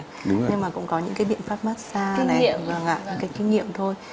nên mà cũng có những cái biện pháp massage kinh nghiệm thôi